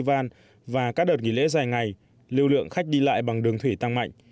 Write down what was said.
vàn và các đợt nghỉ lễ dài ngày lưu lượng khách đi lại bằng đường thủy tăng mạnh